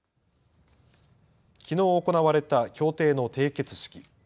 きのう行われた協定の締結式。